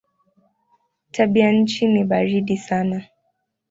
Tabianchi ni baridi sana.